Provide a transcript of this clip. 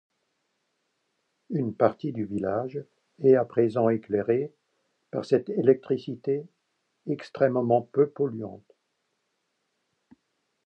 Une partie du village est à présent éclairée par cette électricité extrêmement peu polluante.